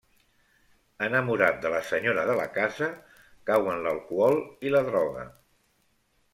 Enamorat de la senyora de la casa, cau en l'alcohol i la droga.